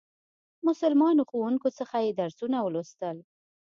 مسلمانو ښوونکو څخه یې درسونه ولوستل.